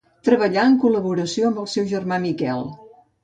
Treballà en col·laboració amb el seu germà Miquel.